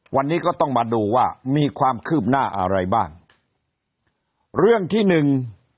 วันนี้ก็ต้องมาดูว่ามีความคืบหน้าอะไรบ้างเรื่องที่หนึ่ง